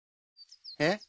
えっ？